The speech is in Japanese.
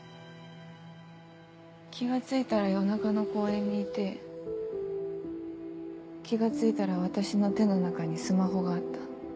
気が付いたら夜中の公園にいて気が付いたら私の手の中にスマホがあった。